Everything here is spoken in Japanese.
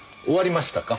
終わりました。